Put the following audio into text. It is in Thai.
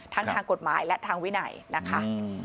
ทั้งทางกฎหมายและทางวิไหนนะคะ